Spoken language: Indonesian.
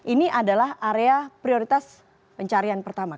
ini adalah area prioritas pencarian pertama